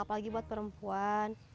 apalagi buat perempuan